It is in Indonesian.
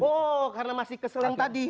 oh karena masih kesel yang tadi